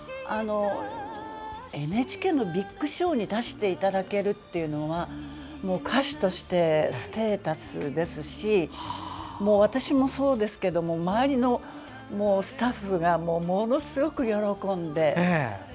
ＮＨＫの「ビッグショー」に出していただけるというのは歌手としてステータスですし私もそうですけども周りのスタッフがものすごく喜んで。